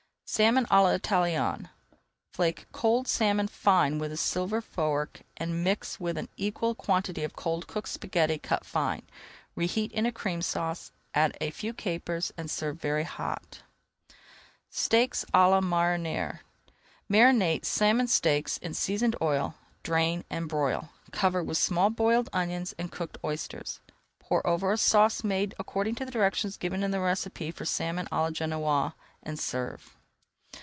SALMON À L'ITALIENNE Flake cold salmon fine with a silver fork and mix with an equal quantity of cold cooked spaghetti cut fine. Reheat in a Cream Sauce, add a few capers and serve very hot. [Page 281] SALMON STEAKS À LA MARINIÈRE Marinate salmon steaks in seasoned oil, drain, and broil. Cover with small boiled onions and cooked oysters. Pour over a sauce made according to directions given in the recipe for Salmon à la Genoise, and serve.